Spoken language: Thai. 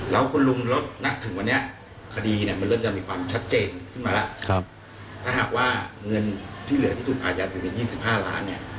แล้วคุณลุงลฤษฐนักถึงวันนี้คดีเนี่ยมันเริ่มมีความชัดเจนขึ้นมา